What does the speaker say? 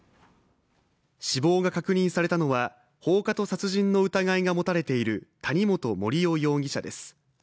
死亡が確認されたのは、放火と殺人の疑いが持たれている谷本盛雄容疑者です。